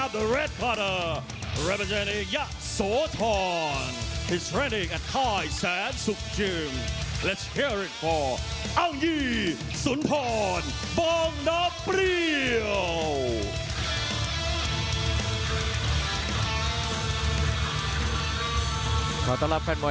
ทุกท่านทุกท่านทุกท่านทุกท่านทุกท่าน